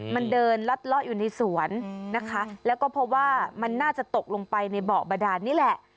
มันเดินลัดเลาะอยู่ในสวนนะคะแล้วก็เพราะว่ามันน่าจะตกลงไปในเบาะบาดานนี่แหละ